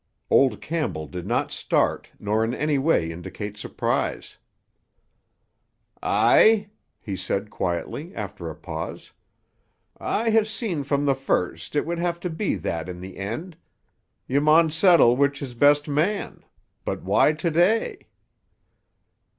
Old Campbell did not start nor in any way indicate surprise. "Aye!" he said quietly after a pause. "I ha' seen from the first it would have to be that in the end. Ye maun settle which is best man. But why to day?"